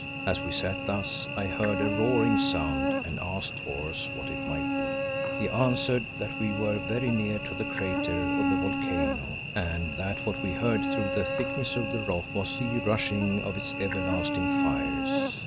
As we sat thus I heard a roaring sound and asked Oros what it might be. He answered that we were very near to the crater of the volcano, and that what we heard through the thickness of the rock was the rushing of its everlasting fires.